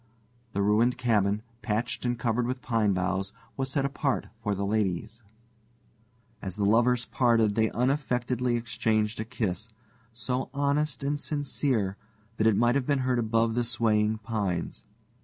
The ruined cabin, patched and covered with pine boughs, was set apart for the ladies. As the lovers parted, they unaffectedly exchanged a kiss, so honest and sincere that it might have been heard above the swaying pines.